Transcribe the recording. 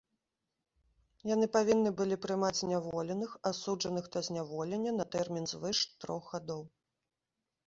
Яны павінны былі прымаць зняволеных, асуджаных да зняволення на тэрмін звыш трох гадоў.